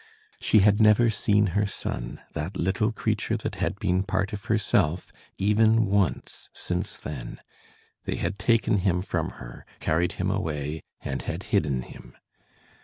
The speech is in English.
She had never seen her son, that little creature that had been part of herself, even once since then; they had taken him from her, carried him away, and had hidden him.